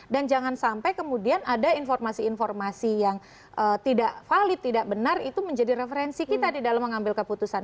dan jangan sampai kemudian ada informasi informasi yang tidak valid tidak benar itu menjadi referensi kita di dalam mengambil keputusan